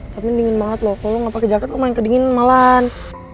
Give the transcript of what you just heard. tapi dingin banget loh kalau gak pake jaket kok main kedingin malan